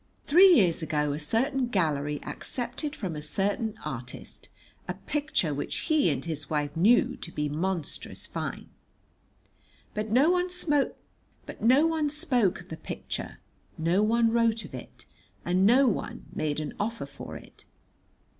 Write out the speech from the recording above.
Three years ago a certain gallery accepted from a certain artist a picture which he and his wife knew to be monstrous fine. But no one spoke of the picture, no one wrote of it, and no one made an offer for it.